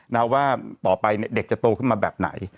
แล้วว่าต่อไปเด็กจะโตขึ้นมาแบบไหน